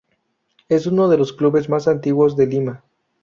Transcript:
Es uno de los clubes más antiguos de Lima.